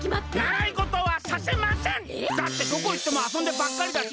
だってどこいってもあそんでばっかりだし